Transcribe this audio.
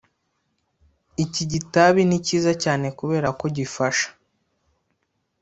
Iki gitabi ni cyiza cyane Kubera ko gifasha